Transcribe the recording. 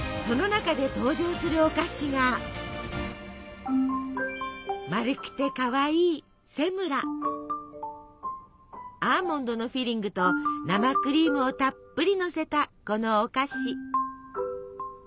その中で登場するお菓子が丸くてかわいいアーモンドのフィリングと生クリームをたっぷりのせたこのお菓子。